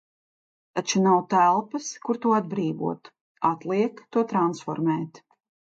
Taču nav telpas, kur to atbrīvot. Atliek to transformēt.